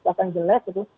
bahkan jelek itu